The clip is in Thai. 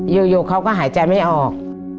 อยู่เขาก็หายใจไม่ออก